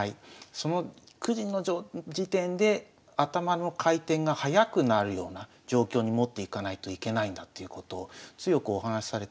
その９時の時点で頭の回転が速くなるような状況に持っていかないといけないんだということを強くお話しされてたことは思い出しますね。